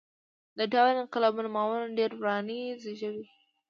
دا ډول انقلابونه معمولاً ډېرې ورانۍ زېږوي.